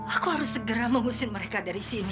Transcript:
aku harus segera mengusir mereka dari sini